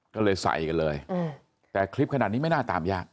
ก็เลยใส่กันเลยแต่คลิปขนาดนี้ไม่น่าตามยาก